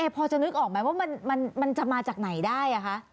พอจะนึกออกไหมว่ามันจะมาจากไหนได้คะ